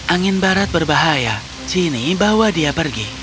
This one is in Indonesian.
angin barat berbahaya sini bawa dia pergi